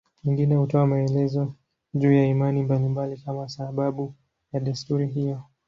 Wengine hutoa maelezo juu ya imani mbalimbali kama sababu ya desturi hiyo.